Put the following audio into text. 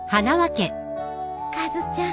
カズちゃん